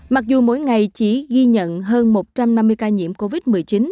mặc dù mỗi ngày chỉ ghi nhận hơn một trăm năm mươi ca nhiễm covid một mươi chín